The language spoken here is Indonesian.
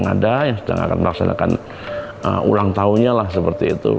dengan para buruh yang ada yang sedang akan melaksanakan ulang tahunnya lah seperti itu